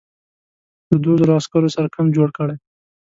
له دوو زرو عسکرو سره کمپ جوړ کړی.